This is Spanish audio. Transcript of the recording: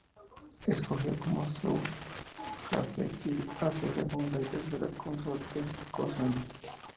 Escogió como su haseki a su segunda y tercera consorte, Kösem.